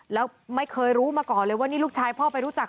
แล้วไม่เคยรู้มาก่อนเลยว่านี่ลูกชายพ่อไปรู้จัก